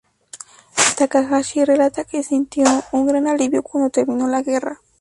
Takahashi relata que sintió un gran alivio cuando terminó la guerra.